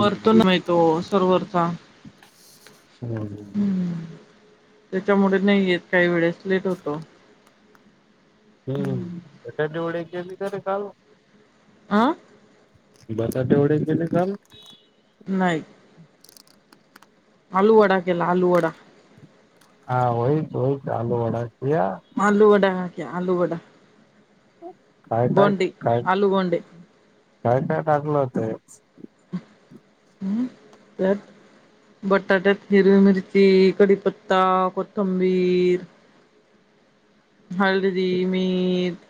हम्म. येतो सर्वरचा. [unintelligible] त्याच्यामुळे नाही येत काही वेळेस लेट होतो. हम्म, बटाटेवडे केले का रे काल? आं. बटाटेवडे केेले काल? नाही. आलू वडा केला, आलू वडा. हा होयच होय आलू वडा. किया आलू वडा घ्या आलू वडा. काय काय, गोंडे काय, आलू गोंडे काय काय टाकलं होतय? हम, तर. बटाट्यात हिरवी मिरची, कडीपत्ता, कोथंबीर. हलदी, मीट.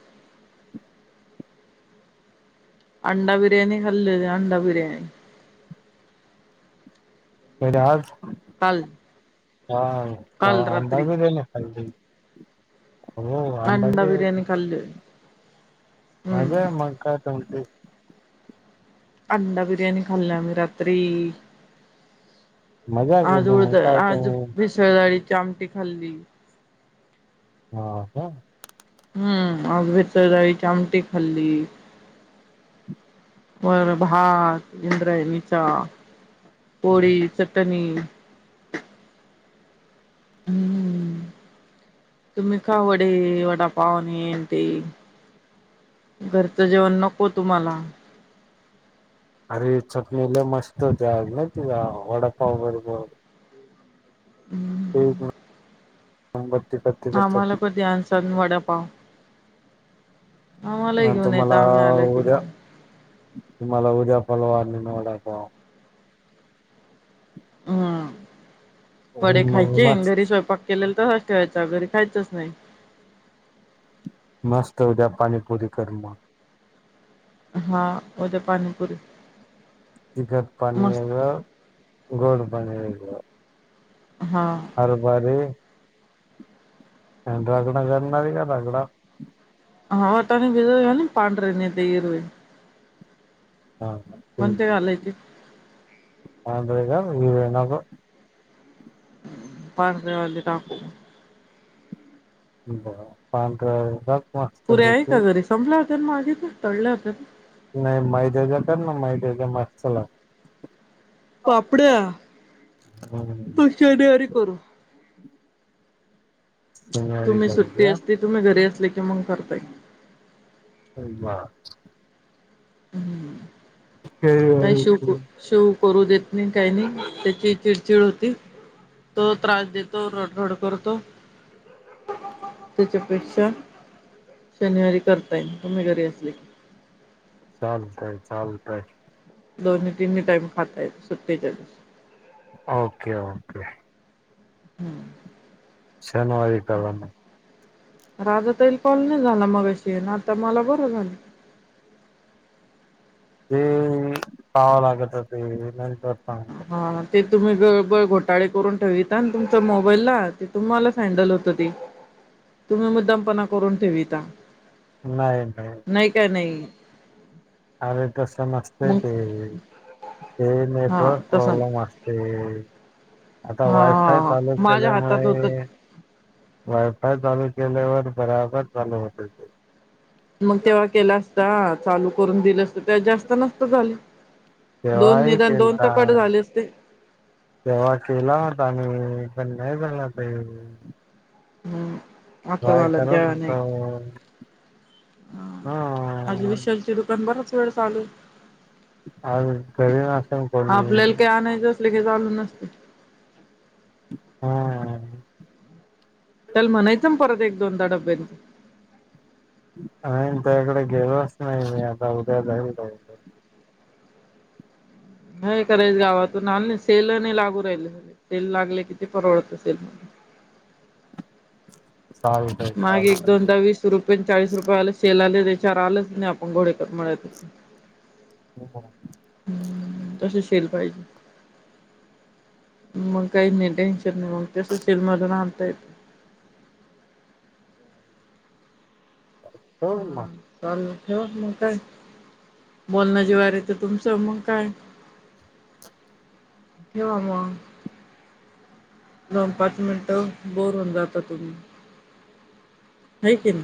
अंडा बिर्याणी खाल्लेली अंडा बिर्याणी. कधी आज? काल. हा काल अंडा बिर्याणी खाल्ली. हो अंडा बिर्याणी मजा हम्म हाय मग काय तुमची. अंडा बिर्याणी खाल्ली आम्ही रात्री. मजा आज केली मग उळद काय आज तुम्ही भिसळडाळीची आमटी खाल्ली. हा का. हम्म आज भेसळडाळीची आमटी खाल्ली. वरण, भात इंद्रायणीचा, पोळी, चटणी हम्म. तुम्ही खा वडे वडापाव अन्, हे अन्, ते घरचं जेवण नको तुम्हांला. अरे चटणी लइ मस्त, होती आज महिती का वडापाव बरोबर. हम्म [unintelligible] आम्हाला प चटणी दयान सन वडापाव. आम्हालाही घेऊन यायचं आम्ही आले की मग. तुम्हाला उदया परवा आणीन वडापाव. हम्म वडे मग खायचे आणि मस्त घरी स्वयंपाक केलेला. तसच ठेवायचं घरी खायचंच नाही. मस्त उदया पाणीपुरी कर मग. हा उदया पाणीपुरी. तिखट पाणी मस्त वेगळं, गोड पाणी वेगळं, हा हर बरे आणि रगडा, करनार हे का रगडा, ह वाटाणे भिजवून [unintelligible] विधवेणे पाढरे नी ते हीरवे हा घालायचे हे का [unintelligible] ववे ना पार देवाली टाकू ब पांढर [unintelligible] पुऱ्या आहे का घरी संपल्या होत्या मागेच ना, तळल्या होत्या ना, नाही मैद्याच्या कर ना, मैद्याच्या मा च ला. पापड्या हम्म तु शनिवारी करू. सोमवारी तुम्ही सुट्टी, करूया असती तुम्ही घरी असले की मग करताय. होय बा. हम्म काय शवूक केळी शवू करू देत नाही काही नाही, त्याची चिडचिड होती. तो त्रास देतो रडरड करतो. त्याच्यापेक्षा शनिवारी करता येईल तुम्ही घरी असले की चालतय चालतय. दोन्ही तीनही टाईम. खाता येत सुट्टतेच्या दिवस ओके ओके. हम्म. शनवारी कारा मग राजा तैल कॉल नाही झाला मगशी, येन आता मला बरं झालं रीकाम आहे [inaudible] ते पावा लागत ते नंतर सांगत. हा ते तुम्ही गळबळ घोटाळे करून ठेवता आणि तुमचा मोबाईलला ते तुम्हालाच हँडल होतं ती तुम्ही मुद्दामपणा करून ठेवीता नाही नाही अ कस नसते मग ते ते हा नेटवर्क तसं नाही. प्रॉब्लेम असते आता हा वायफाय हा चालू माझ्या हातात होतं. केल्यामुळे वायफा चालू केल्यावर बराबर चालू होते ते मग तेव्हा केला असता चालू करून दिलं असत तेव्हा जास्त नस्त झाल तेव्हाही केलता असते तेव्हा केला होता आणि पण नाही झाला पहिल हम्म आतावाला केला नाही. होतो हा आज विशालचे दुकान बराच वेळ चालू आहे. आज घरी नाश्ता करून आलो लागेल चालू नसते हम् त्याला म्हणायचं ना परत एक दोनदा डब्यांंत आणि त्या इकडे गेलोच नाही मी आता उद्या जाइल बहुतेक नाही करायच गावातून आल नाही सेल नाही लागू राहिले सेल लागले कि ते परवडत सेल रीकाम आहे [inaudible] चालतय मग एक चालतय दोनदा वीस रुपय चाळीस रुपय वाला सेल आले त्या विचार आलंच नाही आपण घोडेकर म्हणात हम् तसे शेल पाहिजे. मग काही नाही टेन्शन नाही. मग तस सेल मधून आणता येत ह [inaudible] मग हम् चालेल हो मग काय बोलण्याची वारी आहे. तर तुमचं मग काय, ठेवा मग. दोन पाच मिनटं बोर होऊन जातात तुम्ही, हाय कणी